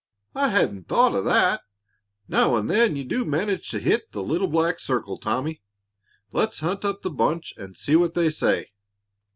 "I hadn't thought of that. Now and then you do manage to hit the little black circle, Tommy. Let's hunt up the bunch and see what they say."